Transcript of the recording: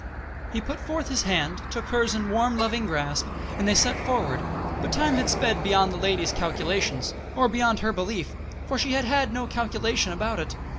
He put forth his hand, took hers in a warm, loving grasp, and they set forward; but time had sped beyond the lady's calculations, or beyond her belief, for she had had no calculation about it.